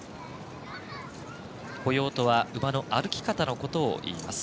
歩様とは馬の歩き方のことをいいます。